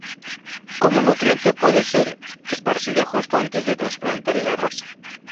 Como nutriente puede ser esparcida justo antes de trasplantar el arroz.